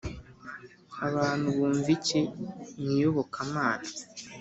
abantu bumva iki?- mu iyobokamana